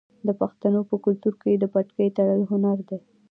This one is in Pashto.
د پښتنو په کلتور کې د پټکي تړل هنر دی.